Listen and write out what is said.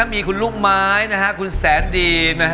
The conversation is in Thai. มีคุณลูกไม้คุณแสนดี